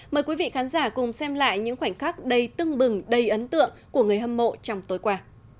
mời quý vị khán giả cùng xem lại những khoảnh khắc đầy tưng bừng đầy ấn tượng của người hâm mộ trong tối qua